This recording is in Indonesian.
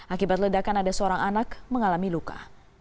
akibat ledakan ada seorang anak mengalami luka